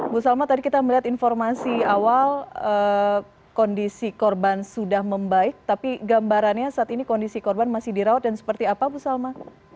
bu salma tadi kita melihat informasi awal kondisi korban sudah membaik tapi gambarannya saat ini kondisi korban masih dirawat dan seperti apa bu salma